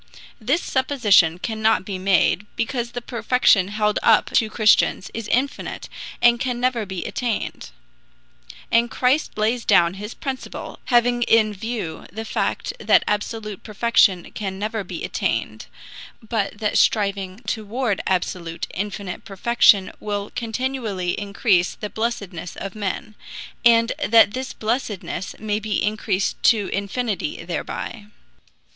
This supposition cannot be made, because the perfection held up to Christians is infinite and can never be attained; and Christ lays down his principle, having in view the fact that absolute perfection can never be attained, but that striving toward absolute, infinite perfection will continually increase the blessedness of men, and that this blessedness may be increased to infinity thereby.